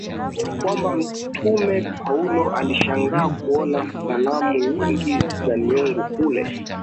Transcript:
kwamba Mtume Paulo alishangaa kuona sanamu nyingi za miungu kule